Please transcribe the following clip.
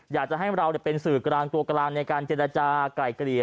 อยากจะให้เราเป็นสื่อกลางตัวกลางในการเจรจากลายเกลี่ย